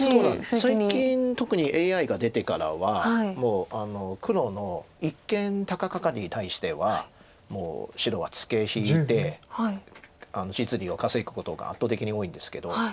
最近特にＡＩが出てからはもう黒の一間高ガカリに対しては白はツケ引いて実利を稼ぐことが圧倒的に多いんですけど。